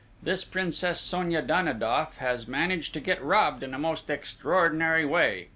This Princess Sonia Danidoff has managed to get robbed in a most extraordinary way.